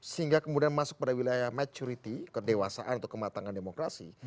sehingga kemudian masuk pada wilayah maturity kedewasaan atau kematangan demokrasi